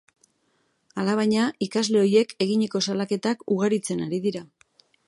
Alabaina, ikasle ohiek eginiko salaketak ugaritzen ari dira.